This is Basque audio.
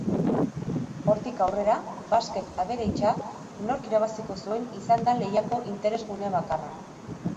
Hortik aurrera, basket averagea nork irabaziko zuen izan da lehiako interesgune bakarra.